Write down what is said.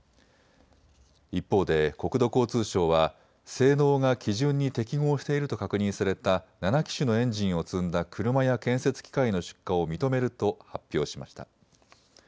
一方で国土交通省は性能が基準に適合していると確認された７機種のエンジンを積んだ車や建設機械の出荷を認めると発表しました。